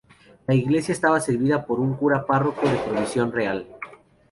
La Iglesia estaba servida por un cura párroco de provisión real.